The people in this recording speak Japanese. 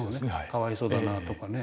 「かわいそうだなぁ」とかね。